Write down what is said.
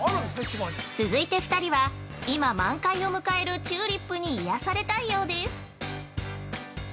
◆続いて２人は今、満開を迎えるチューリップに癒やされたいようです。